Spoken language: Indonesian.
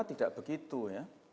tidak begitu ya